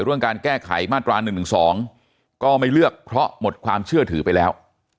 การแก้ไขมาตรา๑๑๒ก็ไม่เลือกเพราะหมดความเชื่อถือไปแล้ว